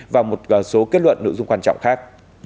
và một số kết luận nội dung quan trọng khác